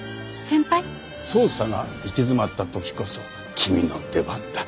捜査が行き詰まった時こそ君の出番だ。